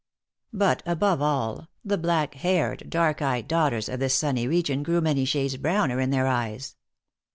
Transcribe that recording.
But, above all, the black haired, dark eyed daughters of this sunny region grew many shades browner in their eyes.